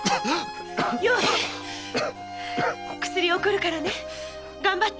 与平お薬を送るからね。頑張って。